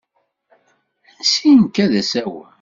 Ansi nekka d asawen.